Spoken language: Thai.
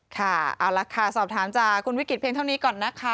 ค่ะเอาละค่ะสอบถามจากคุณวิกฤตเพียงเท่านี้ก่อนนะคะ